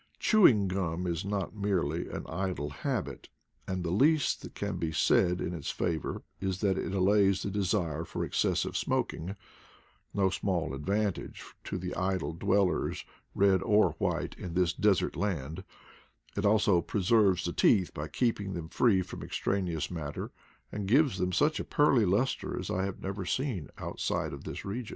Chewing gum is not merely an idle habit, and the least that can be said in its favor is that it allays the desire for excessive v smoking — no small advantage to the idle dwellers, white or red, in this desert land; it also preserves the teeth by keeping them free from extraneous matter, and gives them such a pearly luster as I have never seen outside of this region.